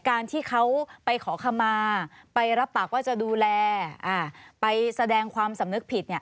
การที่เขาไปขอคำมาไปรับปากว่าจะดูแลไปแสดงความสำนึกผิด